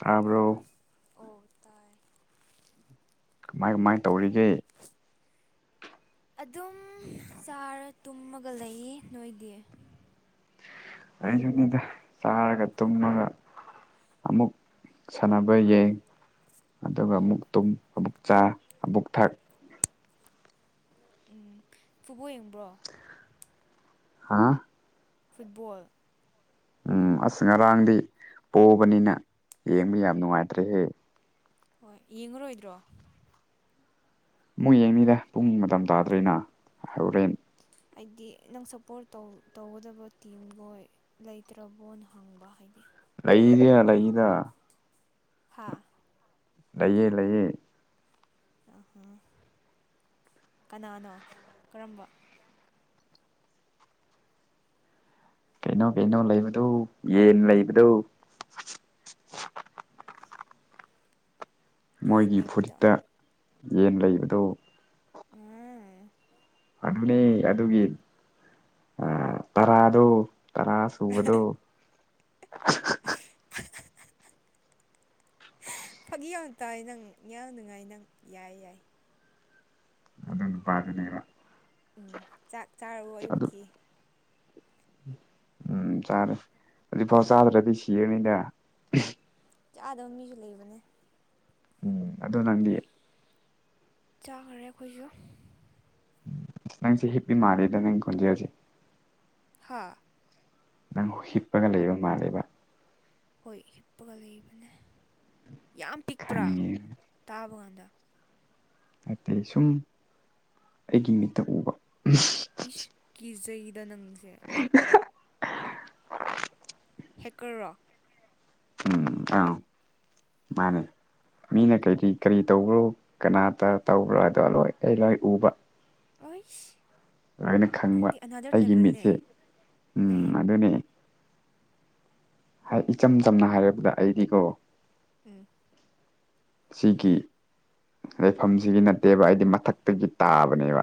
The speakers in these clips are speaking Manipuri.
ꯇꯥꯕ꯭ꯔꯣ ꯑꯣ ꯇꯥꯏ ꯀꯃꯥꯏ ꯀꯃꯥꯏꯅ ꯇꯧꯔꯤꯒꯦ ꯑꯗꯨꯝ ꯆꯥꯔ ꯇꯨꯝꯃꯒ ꯂꯩꯌꯦ ꯅꯣꯏꯗꯤ ꯑꯩꯁꯨꯅꯤꯗ ꯆꯥꯔꯒ ꯇꯨꯝꯃꯒ ꯑꯃꯨꯛ ꯁꯥꯟꯅꯕ ꯌꯦꯡ ꯑꯗꯨꯒ ꯑꯃꯨꯛ ꯇꯨꯝ ꯑꯃꯨꯛ ꯆꯥ ꯑꯃꯨꯛ ꯊꯛ ꯎꯝ ꯐꯨꯠꯕꯣꯜ ꯌꯦꯡꯕ꯭ꯔꯣ ꯍꯥ ꯐꯨꯠꯕꯣꯜ ꯎꯝ ꯑꯁ ꯉꯔꯥꯡꯗꯤ ꯄꯣꯕꯅꯤꯅ ꯌꯦꯡꯕ ꯌꯥꯝ ꯅꯨꯡꯉꯥꯏꯇ꯭ꯔꯦꯍꯦ ꯍꯣꯏ ꯌꯦꯡꯉꯔꯣꯏꯗ꯭ꯔꯣ ꯑꯃꯨꯛ ꯌꯦꯡꯅꯤꯗ ꯄꯨꯡ ꯃꯇꯝ ꯇꯥꯗ꯭ꯔꯤꯅ ꯍꯣꯔꯦꯟ ꯍꯥꯏꯗꯤ ꯅꯪ ꯁꯞꯄꯣꯔꯠ ꯇꯧꯒꯗꯕ ꯇꯤꯝꯈꯣꯏ ꯂꯩꯇ꯭ꯔꯕꯣꯅ ꯍꯪꯕ ꯍꯥꯏꯗꯤ ꯂꯩꯗ ꯂꯩꯗ ꯍꯥ ꯂꯩꯌꯦ ꯂꯩꯌꯦ ꯑ ꯀꯅꯥꯅꯣ ꯀꯔꯝꯕ ꯀꯩꯅꯣ ꯀꯩꯅꯣ ꯂꯩꯕꯗꯨ ꯌꯦꯟ ꯂꯩꯕꯗꯧ ꯌꯦꯟ ꯃꯣꯏꯒꯤ ꯂꯩꯕꯗꯣ ꯐꯨꯔꯤꯠꯇ ꯌꯦꯟ ꯂꯩꯕꯗꯨ ꯎꯝ ꯑꯗꯨꯅꯤ ꯑꯗꯨꯒꯤ ꯇꯔꯥꯗꯣ ꯇꯔꯥ ꯁꯨꯕꯗꯣ [inaudible] ꯐꯥꯒꯤ ꯌꯥꯝ ꯇꯧꯏ ꯅꯪ ꯌꯥꯝ ꯅꯨꯡꯉꯥꯏ ꯅꯪ ꯌꯥꯏ ꯌꯥꯏ ꯑꯣ ꯅꯨꯄꯥꯗꯨꯅꯦꯕ ꯎꯝ ꯆꯥꯛ ꯆꯥꯔꯕꯣ ꯑꯗꯨ ꯑꯌꯨꯛꯀꯤ ꯎꯝ ꯆꯥꯔꯦ ꯍꯧꯖꯤꯛꯐꯥꯎ ꯆꯥꯗ꯭ꯔꯗꯤ ꯁꯤꯔꯅꯤꯗ ꯆꯥꯗꯕ ꯃꯤꯁꯨ ꯂꯩꯕꯅꯦ ꯎꯝ ꯑꯗꯣ ꯅꯪꯗꯤ ꯆꯥꯈ꯭ꯔꯦ ꯑꯩꯈꯣꯏꯖꯨ ꯅꯪꯁꯦ ꯍꯤꯞꯄꯤ ꯃꯥꯂꯦꯗ ꯅꯪ ꯈꯣꯟꯖꯦꯜꯁꯦ ꯍꯥ ꯅꯪ ꯍꯤꯞꯄꯒ ꯂꯩꯕ ꯃꯥꯜꯂꯦꯕ ꯍꯣꯏ ꯍꯤꯞꯄꯒ ꯂꯩꯕꯅꯦ ꯌꯥꯝ ꯄꯤꯛꯄ꯭ꯔꯥ ꯈꯪꯉꯦ ꯇꯥꯕ ꯀꯥꯟꯗ ꯑꯇꯦ ꯁꯨꯝ ꯑꯩꯒꯤ ꯃꯤꯠꯇ ꯎꯕ ꯏꯁ ꯀꯤꯖꯩꯗ ꯅꯪꯁꯦ ꯍꯦꯛꯀꯔꯔꯣ ꯎꯝ ꯑ ꯃꯥꯅꯦ ꯃꯤꯅ ꯀꯩ ꯀꯩ ꯀꯔꯤ ꯇꯧꯕ꯭ꯔꯣ ꯀꯅꯥꯇ ꯇꯧꯕ꯭ꯔꯣ ꯑꯗꯣ ꯂꯣꯏ ꯑꯩ ꯂꯣꯏ ꯎꯕ ꯑꯣꯏꯁ ꯂꯥꯏꯅ ꯈꯪꯕ ꯑꯩꯒꯤ ꯃꯤꯠꯁꯦ ꯎ ꯌꯥꯏ ꯝ ꯌꯥꯏ ꯑꯗꯨꯅꯤ ꯍꯥꯏ ꯏꯆꯝ ꯆꯝꯅ ꯍꯥꯏꯔꯕꯗ ꯑꯩꯗꯤꯀꯣ ꯎꯝ ꯁꯤꯒꯤ ꯂꯩꯐꯝꯁꯤꯒꯤ ꯅꯠꯇꯦꯕ ꯑꯩꯗꯤ ꯃꯊꯛꯇꯒꯤ ꯇꯥꯕꯅꯦꯕ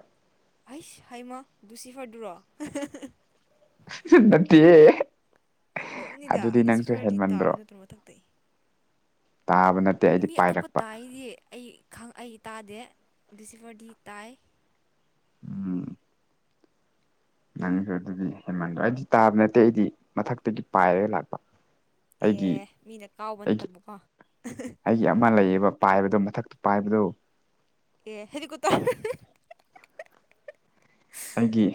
ꯍꯁ ꯍꯩꯃ ꯗꯨꯁꯤꯐꯔꯗꯨꯨꯔꯣ ꯅꯠꯇꯦꯌꯦ ꯑꯣꯏꯔꯛꯅꯤꯗ ꯏꯂꯤꯁꯤꯐꯔꯗꯤ ꯇꯥꯕ ꯅꯠꯇ꯭ꯔꯣ ꯃꯊꯛꯇꯩ ꯇꯥꯕ ꯅꯠꯇꯦ ꯑꯩꯗꯤ ꯃꯤ ꯑꯇꯣꯞꯄ ꯄꯥꯏꯔꯛꯄ ꯇꯥꯏꯗꯤ ꯑꯩ ꯈꯪ ꯑꯩ ꯇꯥꯗꯦ ꯂꯤꯁꯤꯐꯔꯗꯤ ꯇꯥꯏ ꯎꯝ ꯅꯪꯁꯨ ꯑꯗꯨꯗꯤ ꯍꯦꯟꯃꯟꯗꯔꯣ ꯑꯩꯗꯤ ꯇꯥꯕ ꯅꯠꯇꯦ ꯑꯩꯗꯤ ꯃꯊꯛꯇꯒꯤ ꯄꯥꯏꯔ ꯂꯥꯛꯄ ꯑꯩꯒꯤ ꯑꯦ ꯃꯤꯅ ꯀꯥꯎꯕ ꯑꯩꯒꯤ ꯅꯠꯇꯕꯀꯣ ꯑꯩꯒꯤ ꯑꯃ ꯂꯩꯌꯦꯕ ꯄꯥꯏꯕꯗꯣ ꯃꯊꯛꯇ ꯄꯥꯏꯕꯗꯣ ꯑꯦ ꯍꯦꯂꯤꯀꯨꯇꯔ ꯑꯩꯒꯤ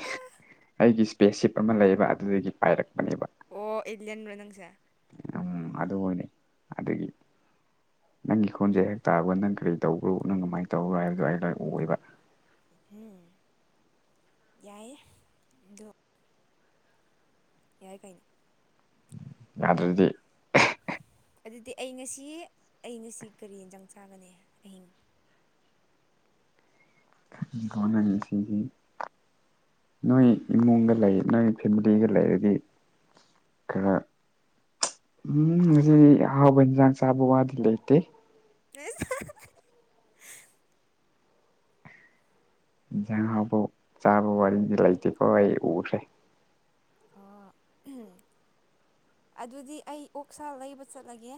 ꯑꯩꯒꯤ ꯏꯁꯄꯦꯁꯁꯤꯞ ꯑꯃ ꯂꯩꯌꯦꯕ ꯑꯗꯨꯗꯒꯤ ꯄꯥꯏꯔꯛꯄꯅꯦꯕ ꯑꯣ ꯑꯦꯜꯂꯦꯟꯂꯣ ꯅꯪꯁꯦ ꯎꯝ ꯑꯗꯨ ꯑꯣꯏꯅꯤ ꯑꯗꯒꯤ ꯅꯪꯒꯤ ꯈꯣꯟꯁꯦ ꯍꯦꯛ ꯇꯥꯕ ꯅꯪ ꯀꯔꯤ ꯇꯧꯕ꯭ꯔꯣ ꯅꯪ ꯀꯃꯥꯏꯅ ꯇꯧꯕ꯭ꯔꯣ ꯍꯥꯏꯕꯗꯣ ꯑꯩ ꯂꯣꯏ ꯑꯣꯏꯕ ꯎꯝ ꯌꯥꯏꯌꯦ ꯑꯗꯣ ꯌꯥꯏ ꯀꯩꯅꯣ ꯌꯥꯗꯔꯗꯤ ꯑꯗꯨꯗꯤ ꯑꯩ ꯉꯁꯤ ꯑꯩ ꯉꯁꯤ ꯀꯔꯤ ꯌꯦꯟꯖꯥꯡ ꯆꯥꯒꯅꯤ ꯑꯍꯤꯡ [unintelligible] ꯅꯣꯏ ꯏꯃꯨꯡꯒ ꯂꯩ ꯅꯣꯏ ꯐꯦꯃꯤꯂꯤꯒ ꯂꯩꯔꯗꯤ ꯈꯔꯥ ꯎꯝ ꯉꯁꯤ ꯑꯍꯥꯎꯕ ꯍꯤꯟꯆꯥꯡ ꯆꯥꯕ ꯋꯥꯗꯤ ꯂꯩꯇꯦ ꯏꯁ ꯏꯟꯁꯥꯡ ꯍꯥꯎꯕꯣꯛ ꯆꯥꯕ ꯋꯥꯔꯤꯗꯤ ꯂꯩꯇꯦꯀꯣ ꯑꯩ ꯎꯈ꯭ꯔꯦ ꯑꯣ [inaudible] ꯑꯗꯨꯗꯤ ꯑꯩ ꯑꯣꯛꯁꯥ ꯂꯩꯕ ꯆꯠꯂꯒꯦ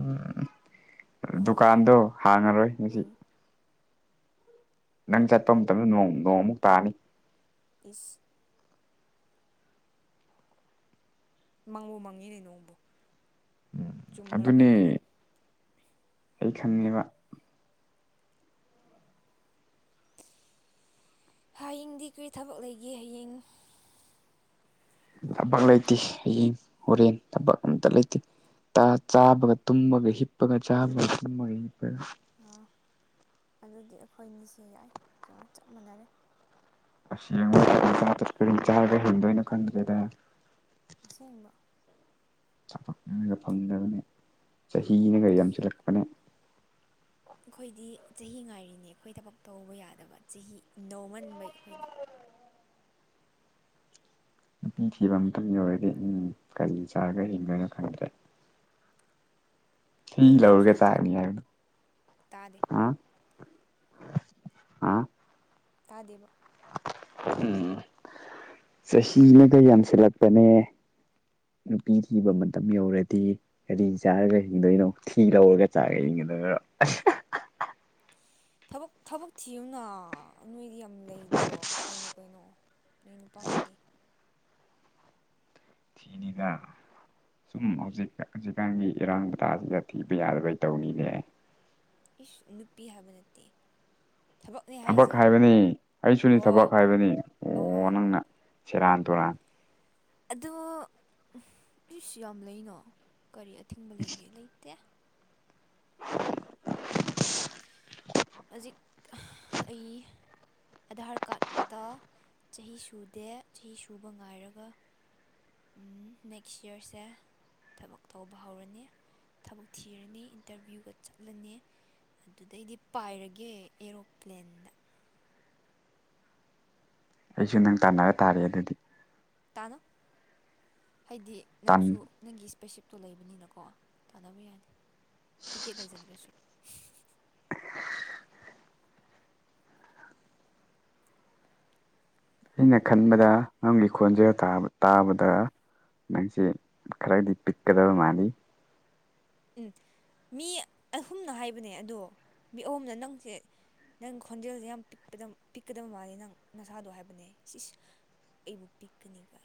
ꯎꯝ ꯗꯨꯀꯥꯟꯗꯣ ꯍꯥꯡꯉꯔꯣꯏ ꯉꯁꯤ ꯎꯝ ꯅꯪ ꯆꯠꯄ ꯃꯇꯝꯗ ꯅꯣꯡ ꯅꯣꯡꯑꯃꯨꯛ ꯇꯥꯅꯤ ꯏꯁ ꯃꯪꯕꯨ ꯃꯪꯉꯤꯅꯦ ꯅꯣꯡꯕꯨ ꯆꯨꯝꯕ꯭ꯔꯥ ꯀꯔꯤꯔꯥ ꯑꯗꯨꯅꯦ ꯑꯩ ꯈꯪꯉꯦꯕ ꯍꯌꯦꯡꯗꯤ ꯀꯔꯤ ꯊꯕꯛ ꯂꯩꯒꯦ ꯍꯌꯦꯡ ꯊꯕꯛ ꯂꯩꯇꯦ ꯍꯌꯦꯡ ꯍꯣꯔꯦꯟ ꯊꯕꯛ ꯑꯝꯇ ꯂꯩꯇꯦ ꯆꯥꯕꯒ ꯇꯨꯝꯃꯒ ꯍꯤꯞꯄꯒ ꯆꯥꯕꯒ ꯇꯨꯝꯃꯒ ꯍꯤꯞꯄꯒ ꯑꯗꯨꯗꯤ ꯑꯩꯈꯣꯏꯅꯤꯁꯦ ꯌꯥꯏ ꯆꯞ ꯃꯥꯟꯅꯔꯦ ꯑꯁ ꯌꯦꯡꯉꯨꯅꯦ ꯍꯧꯖꯤꯛꯀꯤ ꯃꯇꯝꯁꯦ ꯀꯔꯤ ꯆꯥꯔꯒ ꯍꯤꯡꯗꯣꯏꯅꯣ ꯈꯪꯗꯦꯗ ꯑꯁꯦꯡꯕ ꯊꯕꯛꯅꯒ ꯐꯪꯗꯕꯅꯦ ꯆꯍꯤꯅꯒ ꯌꯥꯝꯁꯤꯜꯂꯛꯄꯅꯦ ꯑꯩꯈꯣꯏꯗꯤ ꯆꯍꯤ ꯉꯥꯏꯔꯤꯅꯦ ꯑꯩꯈꯣꯏ ꯊꯕꯛ ꯇꯧꯕ ꯌꯥꯗꯕ ꯆꯍꯤ ꯅꯧꯃꯟꯕꯩ ꯑꯩꯈꯣꯏꯅ ꯅꯨꯄꯤ ꯊꯤꯕ ꯃꯇꯝ ꯌꯧꯔꯛꯑꯅꯤ ꯎꯝ ꯀꯔꯤ ꯆꯥꯔꯒ ꯍꯤꯡꯗꯣꯏꯅꯣ ꯈꯪꯗ꯭ꯔꯦ ꯊꯤ ꯃꯔꯨꯝ ꯃꯔꯨꯝ ꯂꯧꯔꯒ ꯁꯣꯟꯒꯅꯨ ꯆꯥꯒꯅꯤ ꯍꯥꯏꯕꯗꯣ ꯇꯥꯗꯦ ꯍꯥ ꯇꯥꯗꯦꯕ ꯎꯝ ꯆꯍꯤꯅꯒ ꯌꯥꯝꯁꯤꯜꯂꯛꯄꯅꯦ ꯅꯨꯄꯤ ꯊꯤꯕ ꯃꯇꯝ ꯌꯧꯔꯗꯤ ꯀꯔꯤ ꯆꯥꯔꯒ ꯍꯤꯡꯗꯣꯏꯅꯣ ꯊꯤ ꯂꯧꯔꯒ ꯆꯥꯔꯒ ꯍꯤꯡꯉꯣ ꯑꯗꯨꯒ ꯑꯁ ꯊꯕꯛ ꯊꯤꯌꯨꯅ ꯅꯣꯏꯗꯤ ꯌꯥꯝ ꯂꯩꯗ꯭ꯔꯣ ꯀꯩꯅꯣ ꯀꯩꯅꯣ ꯅꯣꯏ ꯅꯨꯄꯥꯒꯤꯗꯤ ꯊꯤꯅꯤꯗ ꯁꯨꯝ ꯍꯧꯖꯤꯛ ꯍꯧꯖꯤꯛꯀꯥꯟꯒꯤ ꯏꯔꯥꯡꯃꯇꯥꯥꯁꯤꯗ ꯊꯤꯕ ꯌꯥꯗꯕꯩ ꯇꯧꯔꯤꯅꯦ ꯏꯁ ꯅꯨꯄꯤ ꯍꯥꯏꯕ ꯅꯠꯇꯦ ꯊꯕꯛꯅꯦ ꯊꯕꯛ ꯍꯥꯏꯁꯦ ꯍꯥꯏꯕꯅꯤ, ꯑꯩꯁꯨꯅꯤ ꯑꯣ ꯊꯕꯛ ꯍꯥꯏꯕꯅꯤ ꯑꯣꯍꯣ ꯑꯣ ꯅꯪꯅ ꯁꯦꯔꯥꯟ ꯇꯨꯔꯥꯟ ꯑꯗꯣ, ꯑꯩꯁꯨ ꯌꯥꯝ ꯂꯩꯅ ꯀꯔꯤ ꯑꯊꯤꯡꯕ ꯂꯩꯒꯦ ꯂꯩꯇꯦ [inaudible] ꯍꯧꯖꯤꯛ ꯑꯩ ꯑꯙꯥꯔ ꯀ꯭ꯔꯥꯠꯇ ꯆꯍꯤ ꯁꯨꯗꯦ ꯆꯍꯤ ꯁꯨꯕ ꯉꯥꯏꯔꯒ ꯃꯊꯪꯒꯤ ꯆꯍꯤꯗ ꯊꯕꯛ ꯇꯧꯕ ꯍꯧꯔꯅꯤ ꯊꯕꯛ ꯊꯤꯔꯅꯤ ꯏꯟꯇ꯭ꯔꯚꯤꯌꯨꯒ ꯆꯠꯂꯅꯤ ꯑꯗꯨꯗꯩꯗꯤ ꯄꯥꯏꯔꯒꯦ ꯑꯦꯔꯣꯄ꯭ꯂꯦꯟꯗ ꯑꯩꯁꯨ ꯅꯪ ꯇꯥꯟꯅꯔ ꯇꯥꯔꯦ ꯑꯗꯨꯗꯤ ꯇꯥꯅꯣ ꯍꯥꯏꯗꯤ ꯅꯪꯁꯨ ꯑꯩꯅ ꯅꯪꯒꯤ [unintelligible] ꯏꯁꯄꯦꯁꯤꯐ ꯂꯩꯕꯅꯤꯅꯀꯣ ꯇꯥꯟꯅꯕ ꯌꯥꯅꯤ ꯇꯤꯀꯦꯠ ꯂꯩꯖꯗ꯭ꯔꯁꯨ [inaudible] ꯑꯩꯅ ꯈꯟꯕꯗ ꯅꯪꯒꯤ ꯈꯣꯟꯖꯦꯜ ꯇꯥꯕꯗ ꯅꯪꯁꯦ ꯈꯔꯗꯤ ꯄꯤꯛꯀꯗꯕ ꯃꯥꯜꯂꯤ ꯎꯝ ꯃꯤ ꯑꯍꯨꯝꯅ ꯍꯥꯏꯕꯅꯦ ꯑꯗꯣ ꯃꯤ ꯑꯍꯨꯝꯅ ꯅꯪꯁꯦ ꯅꯪꯒꯤ ꯈꯣꯟꯖꯦꯜꯁꯦ ꯌꯥꯝ ꯄꯤꯛꯄꯅꯤꯅ, ꯄꯤꯛꯀꯗꯕ ꯃꯥꯜꯂꯦ ꯅꯪ ꯅꯁꯥꯗꯣ ꯍꯥꯏꯕꯅꯦ꯫ ꯏꯁ-ꯏꯁ ꯑꯩꯕꯨ ꯄꯤꯛꯀꯅꯤꯒ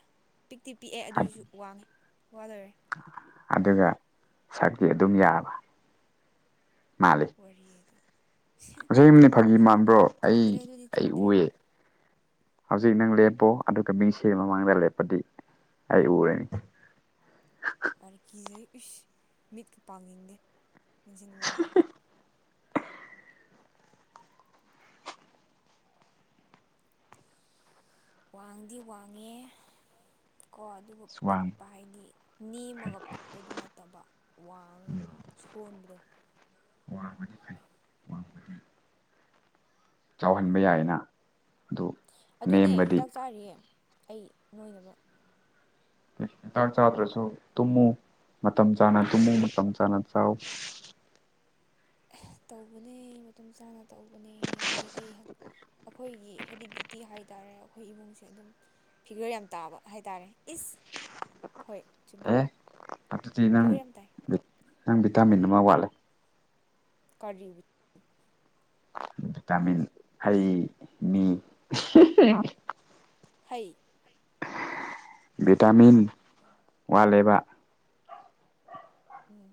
ꯄꯤꯛꯇꯤ ꯄꯤꯛꯑꯦ ꯑꯗꯨꯏꯁꯨ ꯋꯥꯡꯉꯦ ꯋꯥ ꯂꯣꯏꯔꯦ꯫ ꯑꯗꯨꯒ ꯁꯛꯇꯤ ꯑꯗꯨꯝ ꯌꯥꯕ ꯋꯥꯔꯤ ꯑꯗꯣ ꯉꯁꯥꯏ ꯌꯨꯝꯗꯣ ꯐꯥꯒꯤ ꯃꯥꯟꯕ꯭ꯔꯣ ꯆꯨꯝꯗ꯭ꯔꯦ ꯑꯗꯨꯗꯤ ꯆꯨꯝꯗ꯭ꯔꯦ ꯑꯩꯒꯤꯅꯦ ꯍꯧꯖꯤꯛ ꯅꯪ ꯂꯦꯞꯄꯣ ꯑꯗꯨꯒ ꯃꯤꯡꯁꯦꯜ ꯃꯃꯥꯡꯗ ꯂꯦꯞꯄꯗꯤ ꯑꯩ ꯎꯔꯦ꯫ ꯌꯥꯔꯦ ꯀꯤꯖꯩ ꯏꯁ ꯃꯤꯠꯀ ꯄꯥꯡꯅꯤꯡꯗꯦ ꯃꯤꯡꯁꯦꯜ ꯃꯃꯥꯡꯗ ꯋꯥꯡꯗꯤ ꯋꯥꯡꯉꯦ ꯑꯗꯨꯕꯨ ꯋꯥꯡ ꯄꯤꯛꯄ ꯍꯥꯏꯗꯤ ꯐꯩ ꯅꯦꯝꯃꯒ ꯄꯤꯛꯄꯗꯨ ꯅꯠꯇꯕ ꯋꯥꯡꯉꯒ ꯁꯨꯞꯄ ꯀꯣꯟꯕꯗꯣ ꯋꯥꯡꯕꯗꯤ ꯐꯩ ꯋꯥꯡꯕꯗꯤ ꯆꯥꯎꯍꯟꯕ ꯌꯥꯏꯅ ꯑꯗꯨ ꯑꯗꯨꯅꯦ ꯅꯦꯝꯕꯗꯤ ꯍꯤꯗꯥꯛ ꯆꯥꯔꯤꯌꯦ ꯑꯩ ꯅꯣꯏꯅꯕ ꯗꯥꯛ ꯆꯥꯗ꯭ꯔꯁꯨ ꯇꯨꯝꯃꯨ ꯃꯇꯝ ꯆꯥꯅ ꯇꯨꯝꯃꯨ ꯃꯇꯝ ꯆꯥꯅ ꯆꯥꯎ ꯇꯧꯕꯅꯦ ꯃꯇꯝ ꯆꯥꯅ ꯇꯧꯕꯅꯦ ꯌꯥꯗꯦ ꯑꯩ ꯑꯩꯈꯣꯏꯒꯤ ꯍꯦꯔꯤꯗꯤꯇꯤ ꯍꯥꯏ ꯇꯥꯔꯦ ꯑꯩꯈꯣꯏ ꯏꯃꯨꯡꯁꯦ ꯑꯗꯨꯝ ꯐꯤꯒꯔ ꯌꯥꯝ ꯇꯥꯕ ꯍꯥꯏ ꯇꯥꯔꯦ ꯏꯁ [unintelligible] ꯍꯣꯏ ꯆꯨꯝꯃꯦ ꯑꯦ ꯑꯗꯨꯗꯤ ꯅꯪ ꯐꯤꯒꯔ ꯌꯥꯝ ꯇꯥꯏ ꯅꯪ ꯚꯤꯇꯥꯃꯤꯟ ꯑꯃ ꯋꯥꯠꯂꯦ ꯀꯔꯤ ꯕꯤꯇꯥꯃꯤꯟ ꯍꯩ ꯃꯤ ꯍꯩ ꯚꯤꯇꯥꯃꯤꯟ ꯋꯥꯠꯂꯦꯕ ꯎꯝ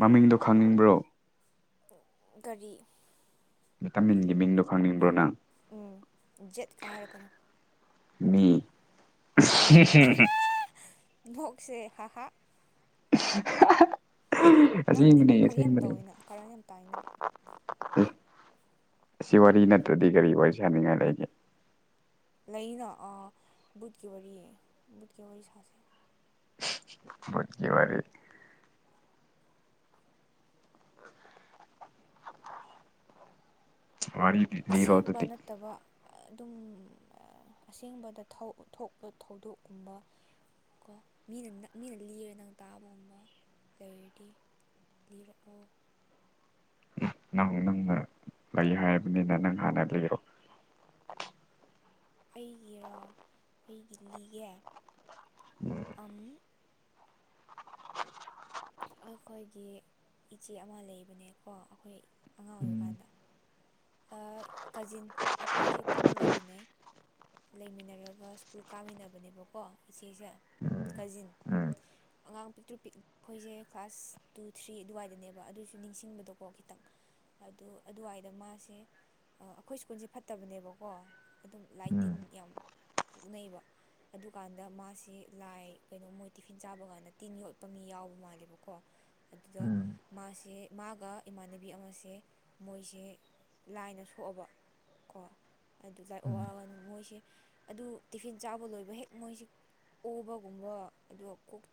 ꯃꯃꯤꯡꯗꯣ ꯈꯪꯅꯤꯡꯕ꯭ꯔꯣ ꯀꯔꯤ ꯚꯤꯇꯥꯃꯤꯟꯒꯤ ꯃꯤꯡꯗꯣ ꯈꯪꯅꯤꯡꯕ꯭ꯔꯣ ꯅꯪ ꯎꯝ ꯖꯦꯠ ꯀꯥ ꯍꯥꯏꯔꯛ ꯀꯅꯨ ꯃꯤ ꯅꯣꯛꯁꯦ ꯍꯥ ꯍꯥ [unintelligible] ꯅꯪꯗꯤ ꯑꯁꯦꯡꯕꯅꯦ ꯐꯒꯤ ꯌꯥꯝ ꯑꯁꯦꯡꯕꯅꯦ ꯇꯧꯋꯤ ꯅ ꯀꯔꯟ ꯌꯥꯝ ꯇꯥꯏ ꯅꯪ ꯑꯁꯤ ꯋꯥꯔꯤ ꯅꯠꯇ꯭ꯔꯗꯤ ꯀꯔꯤ ꯋꯥꯔꯤ ꯁꯅꯤꯡ ꯉꯥꯏ ꯂꯩꯒꯦ ꯂꯩꯅ ꯑ ꯕꯨꯠꯀꯤ ꯋꯥꯔꯤ ꯕꯨꯠꯀꯤ ꯋꯥꯔꯤ ꯁꯥꯥꯁꯦ ꯕꯨꯠꯀꯤ ꯋꯥꯔꯤ ꯋꯥꯔꯤ ꯗꯤ ꯂꯤꯔꯣ ꯑꯁꯦꯡꯕ ꯑꯗꯨꯗꯤ ꯅꯠꯇꯕ ꯑꯗꯨꯝ ꯑꯁꯦꯡꯕꯗ ꯊꯧ ꯊꯣꯛꯄ ꯊꯧꯗꯣꯛꯀꯨꯝꯕ ꯀꯣ ꯃꯤꯅ ꯃꯤꯅ ꯂꯤꯔ ꯅꯪ ꯇꯥꯕꯒꯨꯝꯕ ꯂꯩꯔꯗꯤ ꯂꯤꯔꯛꯑꯣ ꯅꯪ ꯅꯪꯅ ꯂꯩ ꯍꯥꯏꯕꯅꯤꯅ ꯅꯪ ꯍꯥꯟꯅ ꯂꯤꯔꯣ ꯑꯩꯒꯤꯔꯣ ꯑꯩꯒꯤ ꯂꯤꯒꯦ ꯑꯝ ꯑꯩꯈꯣꯏꯒꯤ ꯏꯆꯦ ꯑꯃ ꯂꯩꯕꯅꯦꯀꯣ ꯑꯩꯈꯣꯏ ꯑꯉꯥꯡ ꯎꯝ ꯑꯣꯏꯔꯤꯀꯥꯟꯗ ꯑ ꯀꯖꯤꯟ ꯑꯩꯈꯣꯏꯁꯦ ꯄꯨꯟꯅ ꯂꯩꯃꯤꯟꯅꯩ ꯂꯩꯃꯤꯟꯅꯔꯒ ꯁ꯭ꯀꯨꯜ ꯀꯥꯃꯤꯟꯅꯕꯅꯦꯕꯀꯣ ꯏꯆꯦꯁꯦ ꯀꯖꯤꯟ ꯎꯝ ꯑꯉꯥꯡ ꯄꯤꯛꯇ꯭ꯔꯨ ꯄꯤꯛ ꯑꯩꯈꯣꯏꯁꯦ ꯀ꯭ꯂꯥꯁ ꯇꯨ ꯊ꯭ꯔꯤ ꯑꯗꯨꯋꯥꯏꯗꯅꯦꯕ ꯑꯗꯨꯁꯨ ꯅꯤꯡꯁꯤꯡꯕꯗꯣꯀꯣ ꯈꯤꯇꯪ ꯑꯗꯨ ꯑꯗꯨꯋꯥꯏꯗ ꯃꯥꯁꯦ ꯑꯩꯈꯣꯏ ꯁ꯭ꯀꯨꯜꯁꯦ ꯐꯠꯇꯕꯅꯦꯕꯀꯣ ꯑꯗꯨꯝ ꯂꯥꯏ ꯇꯤꯟ ꯌꯥꯝ ꯑꯣꯛꯅꯩꯌꯦꯕ ꯑꯗꯨꯀꯥꯟꯗ ꯃꯥꯁꯤ ꯂꯥꯏ ꯀꯩꯅꯣ ꯃꯣꯏ ꯇꯤꯐꯤꯟ ꯆꯥꯕ ꯀꯥꯟꯗ ꯇꯤꯟ ꯌꯣꯠꯄ ꯃꯤ ꯌꯥꯎꯕ ꯃꯥꯜꯂꯦꯕꯀꯣ ꯑꯗꯨꯗ ꯃꯥꯁꯦ ꯃꯥꯒ ꯏꯃꯥꯟꯅꯕꯤ ꯑꯃꯁꯦ ꯃꯣꯏꯁꯦ ꯂꯥꯏꯅ ꯁꯣꯛꯑꯕ ꯀꯣ ꯑꯗꯨ ꯂꯥꯏꯑꯣꯑꯒ ꯃꯣꯏꯁꯦ ꯑꯗꯨ ꯇꯤꯐꯤꯟ ꯆꯥꯕ ꯂꯣꯏꯕ ꯍꯦꯛ ꯃꯣꯏꯁꯤ ꯑꯣꯕꯒꯨꯝꯕ ꯑꯗꯨ ꯀꯣꯛ [unintelligible]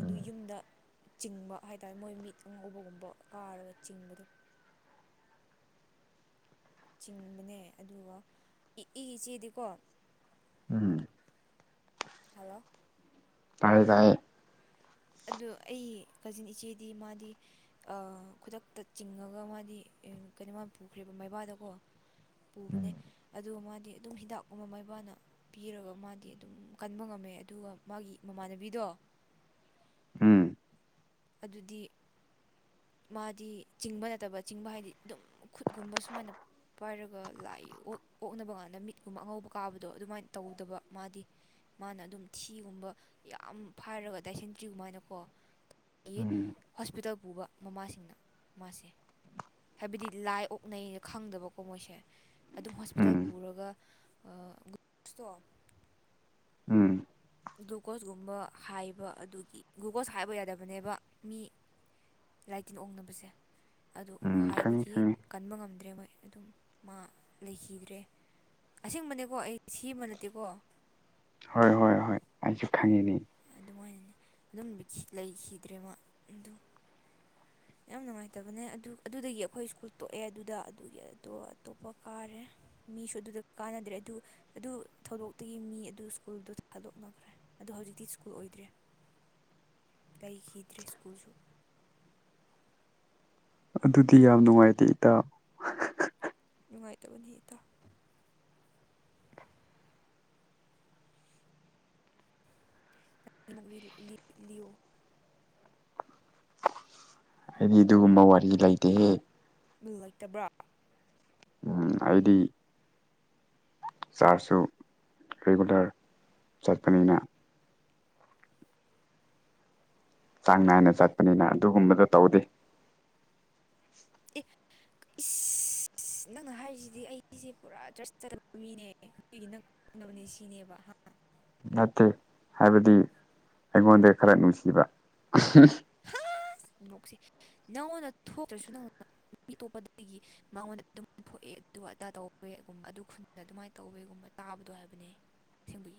ꯑꯗꯨ ꯌꯨꯝꯗ ꯆꯤꯡꯕ ꯍꯥꯏꯇꯥꯔꯦ ꯃꯣꯏ ꯃꯤꯠ ꯑꯉꯧꯕꯒꯨꯝꯕ ꯀꯥꯔꯒ ꯆꯤꯡꯕꯗꯣ ꯆꯤꯡꯕꯅꯦ ꯑꯗꯨꯒ ꯏ ꯏꯆꯦꯗꯤꯀꯣ ꯎꯝ ꯍꯜꯂꯣ ꯇꯥꯏꯌꯦ ꯇꯥꯏꯌꯦ ꯑꯗꯨ ꯑꯩ ꯀꯖꯤꯟ ꯏꯆꯦꯗꯤ ꯃꯥꯗꯤ ꯈꯨꯗꯛꯇ ꯆꯤꯡꯉꯒ ꯃꯥꯗꯤ ꯀꯩꯅꯣ ꯃꯥ ꯄꯨꯈ꯭ꯔꯦꯕ ꯃꯩꯕꯥꯗꯀꯣ ꯄꯨꯕꯅꯦ ꯑꯗꯨꯒ ꯃꯥꯗꯤ ꯑꯗꯨꯝ ꯍꯤꯗꯥꯛꯀꯨꯝꯕ ꯃꯥꯏꯕꯥꯅ ꯄꯤꯔꯒ ꯃꯥꯗꯤ ꯑꯗꯨꯝ ꯀꯟꯕ ꯉꯝꯃꯦ ꯆꯃꯦ ꯑꯗꯨꯒ ꯃꯥꯒꯤ ꯃꯃꯥꯟꯅꯕꯤꯗꯣ [inaudible] ꯎꯝ ꯑꯗꯨꯗꯤ ꯃꯥꯗꯤ ꯆꯤꯡꯕ ꯅꯠꯇꯕ ꯆꯤꯡꯕ ꯍꯥꯏꯗꯤ ꯑꯗꯨꯝ ꯈꯨꯠꯒꯨꯝꯕ ꯁꯨꯃꯥꯏꯅ ꯄꯥꯏꯔꯒ ꯂꯥꯏ ꯑꯣꯛꯅꯕ ꯀꯥꯟꯗ ꯃꯤꯠꯀꯨꯝꯕ ꯑꯉꯧꯕ ꯀꯥꯕꯗꯣ ꯑꯗꯨꯃꯥꯏꯅ ꯇꯧꯗꯕ ꯃꯥꯗꯤ ꯃꯥꯅ ꯑꯗꯨꯝ ꯊꯤꯒꯨꯝꯕ ꯌꯥꯝ ꯐꯥꯏꯔꯒ ꯇꯥꯏꯁꯤꯟꯗ꯭ꯔꯤꯒꯃꯥꯏꯅꯀꯣ ꯑꯩꯒꯤ ꯎꯝ ꯍꯣꯁꯄꯤꯇꯥꯜ ꯄꯨꯕ ꯃꯃꯥꯁꯤꯡꯅ ꯃꯥꯁꯦ ꯍꯥꯏꯕꯗꯤ ꯂꯥꯏ ꯑꯣꯛꯅꯩꯩꯅ ꯈꯪꯗꯕꯀꯣ ꯃꯣꯏꯁꯦ ꯑꯗꯨꯝ ꯎꯝ ꯍꯣꯁꯄꯤꯇꯥꯜ ꯄꯨꯔꯒ [inaudible] ꯑꯁꯇꯣ ꯎꯝ ꯒ꯭ꯂꯨꯀꯣꯁꯒꯨꯝꯕ ꯍꯥꯏꯕ ꯑꯗꯨꯒꯤ ꯒ꯭ꯂꯨꯀꯣꯁ ꯍꯥꯏꯕ ꯌꯥꯗꯕꯅꯦꯕ ꯃꯤ ꯂꯥꯏ ꯇꯤꯟ ꯑꯣꯡꯅꯕꯁꯦ ꯑꯗꯨ ꯎꯝ ꯈꯪꯉꯤ ꯍꯥꯏꯕꯒꯤ ꯈꯪꯉꯤ ꯀꯟꯕ ꯉꯝꯗ꯭ꯔꯦ ꯃꯣꯏ ꯑꯗꯨꯝ ꯃꯥ ꯂꯩꯈꯤꯗ꯭ꯔꯦ ꯑꯁꯦꯡꯕꯅꯦꯀꯣ ꯑꯩ ꯁꯤ ꯑꯃ ꯅꯠꯇꯦꯀꯣ ꯍꯣꯏ ꯍꯣꯏ ꯍꯣꯏ ꯑꯩꯁꯨ ꯈꯪꯉꯤꯅꯤ ꯑꯗꯨꯃꯥꯏꯅꯅꯦ ꯑꯗꯨꯝ ꯂꯩꯈꯤꯗ꯭ꯔꯦꯕ ꯑꯗꯨ ꯌꯥꯝ ꯅꯨꯡꯉꯥꯏꯇꯕꯅꯦ ꯑꯗꯨ ꯑꯗꯨꯗꯒꯤ ꯑꯩꯈꯣꯏ ꯁ꯭ꯀꯨꯜ ꯇꯣꯛꯑꯦ ꯑꯗꯨꯗ ꯑꯗꯨꯒꯤ ꯑꯗꯣ ꯑꯇꯣꯞꯄ ꯀꯥꯔꯦ ꯃꯤꯁꯨ ꯑꯗꯨꯗ ꯀꯥꯟꯅꯗ꯭ꯔꯦ ꯑꯗꯨ ꯑꯗꯨ ꯊꯧꯗꯣꯛꯇꯒꯤ ꯃꯤ ꯑꯗꯨ ꯁ꯭ꯀꯨꯜꯗꯨ ꯊꯥꯗꯣꯛꯅꯈ꯭ꯔꯦ ꯑꯗꯣ ꯍꯧꯖꯤꯛꯇꯤ ꯁ꯭ꯀꯨꯜ ꯑꯣꯏꯗ꯭ꯔꯦ [inaudible] ꯇꯏ ꯍꯤ ꯗ꯭ꯔꯁ ꯀꯣꯖꯨ ꯑꯗꯨꯗꯤ ꯌꯥꯝ ꯅꯨꯡꯉꯥꯏꯇꯦ ꯏꯇꯥ ꯅꯨꯡꯉꯥꯏꯇꯕꯅꯤ ꯏꯇꯥ [unintelligible] [unintelligible] ꯍꯥꯏꯗꯤ ꯑꯗꯨꯒꯨꯝꯕ ꯋꯥꯔꯤ ꯂꯩꯇꯦꯍꯦ ꯂꯩꯇꯕ꯭ꯔꯥ ꯑꯩꯗꯤ ꯆꯥꯔꯖꯁꯨ ꯔꯤꯒꯨꯂꯔ ꯆꯠꯄꯅꯤꯅ ꯆꯥꯡ ꯅꯥꯏꯅ ꯆꯠꯄꯅꯤꯅ ꯑꯗꯨꯒꯨꯝꯕꯗꯣ ꯇꯧꯗꯦ ꯑꯦ ꯑꯤꯁ ꯑꯁ ꯅꯪꯅ ꯍꯥꯏꯔꯤꯁꯤꯗꯤ ꯑꯩꯒꯤꯁꯦ ꯄꯨꯔꯥ ꯗ꯭ꯔꯁ ꯆꯗꯕ ꯃꯤꯅꯦ ꯑꯗꯨꯒꯤ ꯅꯪ ꯈꯪꯅꯕꯅꯦ ꯁꯤꯅꯦꯕ ꯅꯠꯇꯦ ꯍꯥꯏꯕꯗꯤ ꯑꯩꯉꯣꯟꯗ ꯈꯔ ꯅꯨꯡꯁꯤꯕ [inaudible] [unintelligible] ꯅꯪꯉꯣꯟꯗ ꯊꯣꯛꯇ꯭ꯔꯁꯨ ꯅꯪ ꯃꯤꯇꯣꯞꯄꯗꯒꯤ ꯃꯉꯣꯟꯗ ꯑꯗꯨꯝ ꯊꯣꯛꯑꯦ ꯑꯗꯨꯒ ꯑꯗꯥ ꯇꯧꯋꯦꯒꯨꯝꯕ ꯑꯗꯨ ꯈꯨꯟꯗ ꯑꯗꯨꯃꯥꯏꯅ ꯇꯧꯕꯋꯦꯒꯨꯝꯕ ꯇꯥꯕꯗꯣ ꯍꯥꯏꯕꯅꯦ ꯑꯁꯦꯡꯕꯒꯤ